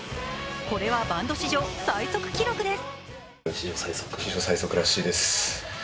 これはバンド史上最速記録です。